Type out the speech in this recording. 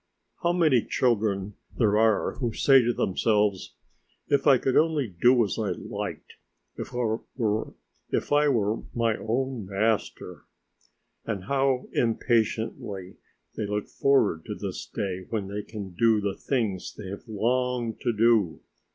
How many children there are who say to themselves, "If I could only do as I liked, ... if I were my own master!" And how impatiently they look forward to this day when they can do the things they have longed to do